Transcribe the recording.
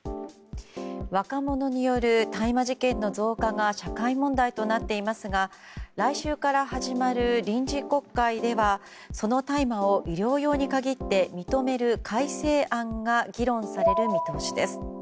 若者による大麻事件の増加が社会問題となっていますが来週から始まる臨時国会ではその大麻を医療用に限って認める改正案が議論される見通しです。